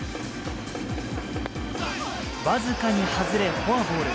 僅かに外れ、フォアボール。